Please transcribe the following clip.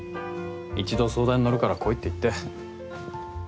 一度相談に乗るから来いって言って。